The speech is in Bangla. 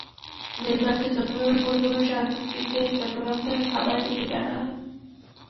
মেজবানকে চট্টগ্রামের পরিপূর্ণ স্বাদ দিতে চট্টগ্রাম থেকে খাবারের রেসিপি আনা হয়।